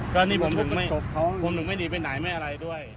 ก็นี่ผมถึงไม่หนีไปไหนไม่อะไรด้วย